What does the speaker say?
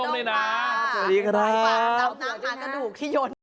น้ำขาดกระดูกที่ยนต์